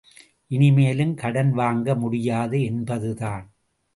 இனிமேலும் கடன் வாங்க முடியாது என்பதுதான்.